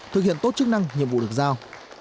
thực hiện tốt chức năng nhiệm vụ được giao